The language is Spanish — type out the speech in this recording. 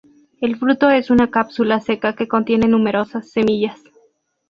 El fruto es una cápsula seca que contiene numerosas semillas.